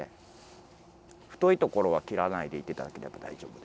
太いところは切らないでいて頂ければ大丈夫です。